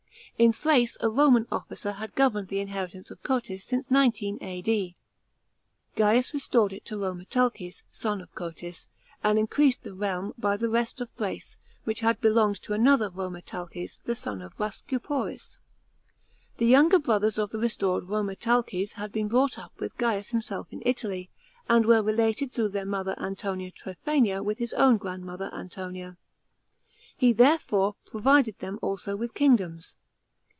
In Thrace a Roman officer had governed the inheritance of Cotys since 19 A.r>. Gaius restored it to Rhcemetalces, son of Cotys, and increas H the realm by the rest of Thrace, which had belonged to another Rhcemetalces, the son of Khascnporis. The younger brothers of the restored Rhoemetalces had been brought up with Gaius himself in Italy, and were related through their mother A'.tonia Tn pliaina with his own grandmother Antonia. He there fore provided them also with kingdoms.